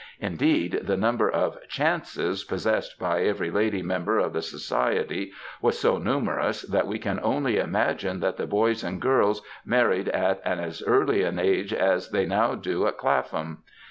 Indeed the number .of ^^ chances ^ possessed by every lady member of the society was so numerous that we can only imagine that the boys and girls married at as early an age as they now do at Clapham.